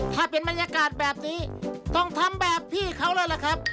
ถ้าเป็นบรรยากาศแบบนี้ต้องทำแบบพี่เขาเลยล่ะครับ